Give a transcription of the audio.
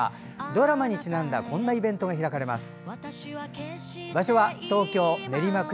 ドラマにちなんだイベントが開かれます。